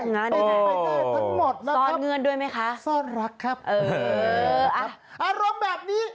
ได้ไหมทั้งหมดนะครับซ้อนรักครับเอออารมณ์แบบนี้